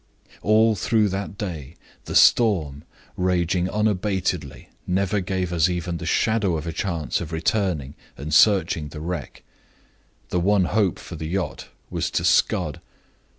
"All through that day the storm, raging unabatedly, never gave us even the shadow of a chance of returning and searching the wreck. The one hope for the yacht was to scud.